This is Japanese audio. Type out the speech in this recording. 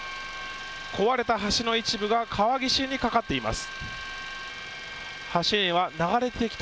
壊れた橋の一部が川岸にかかっています。